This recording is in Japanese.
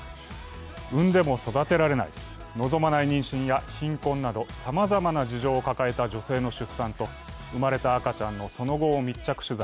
産んでも育てられない、望まない妊娠や貧困などさまざまな事情を抱えた女性の出産と、生まれた赤ちゃんのその後を密着取材。